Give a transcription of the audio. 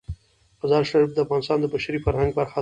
مزارشریف د افغانستان د بشري فرهنګ برخه ده.